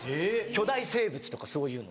巨大生物とかそういうの。